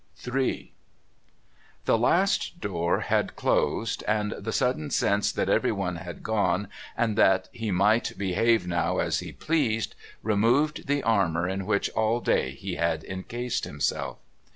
III The last door had closed, and the sudden sense that everyone had gone and that he might behave now as he pleased, removed the armour in which all day he had encased himself.